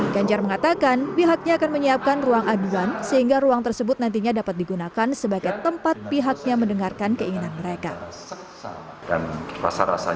ganjar mengatakan pihaknya akan menyiapkan ruang aduan sehingga ruang tersebut nantinya dapat digunakan sebagai tempat pihaknya mendengarkan keinginan mereka